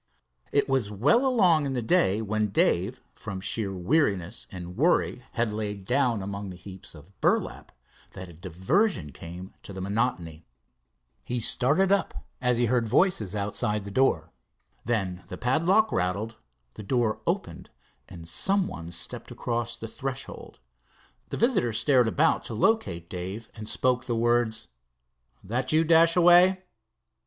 It was well along in the day, when Dave from sheer weariness and worry had lain down among the heaps of burlap, that a diversion came to monotony. He started up as he heard voice outside of the door. Then the padlock rattled, the door opened, and some one stepped across the threshold. The visitor stared about to locate Dave, and spoke the words: "That you, Dashaway?"